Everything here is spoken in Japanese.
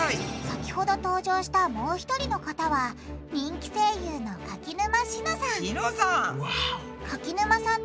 先ほど登場したもう一人の方は人気声優の柿沼紫乃さん紫乃さん！